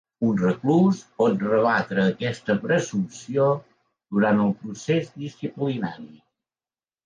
Un reclús pot rebatre aquesta presumpció durant el procés disciplinari.